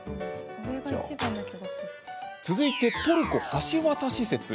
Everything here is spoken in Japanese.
続いて、トルコ橋渡し説。